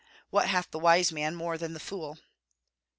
What hath the wise man more than the fool?...